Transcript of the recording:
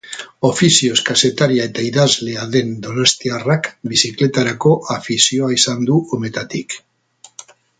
Ofizioz kazetaria eta idazlea den donostiarrak bizikletarako afizioa izan du umetatik.